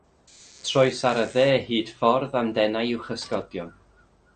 Trois ar y dde hyd ffordd a'm denai i'w chysgodion.